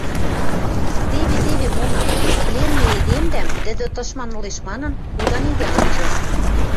Теве, теве, монам: «Пленный эдемдӓм, тӹдӹ тышман ылеш манын, худан идӓ анжы.